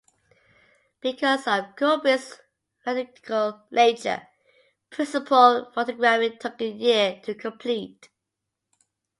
Because of Kubrick's methodical nature, principal photography took a year to complete.